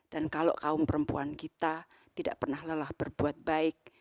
dan kalau kaum perempuan kita tidak pernah lelah berbuat baik